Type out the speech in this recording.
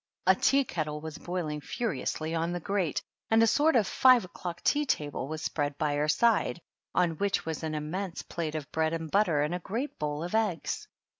A tea kettle was boil ing furiously on the grate, and a sort of five o' clock tea table was spread by her side, on which was an immense plate of bread and butter and a great bowl of eggs.